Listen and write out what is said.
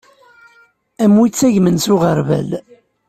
Am wi ittagmen s uɣerbal.